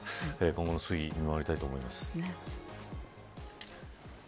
今後の審理を見守りたいと思います。